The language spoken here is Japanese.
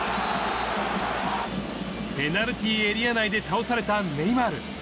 ペナルティーエリア内で倒されたネイマール。